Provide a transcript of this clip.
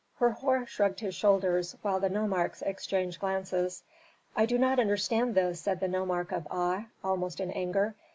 Herhor shrugged his shoulders, while the nomarchs exchanged glances. "I do not understand this," said the nomarch of Aa, almost in anger.